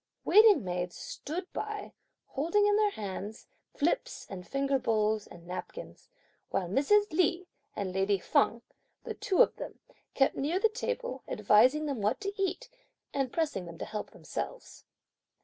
Waiting maids stood by holding in their hands, flips and finger bowls and napkins, while Mrs. Li and lady Feng, the two of them, kept near the table advising them what to eat, and pressing them to help themselves.